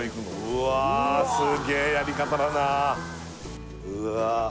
うわあすげえやり方だなうわあ